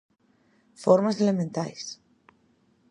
Formas elementais.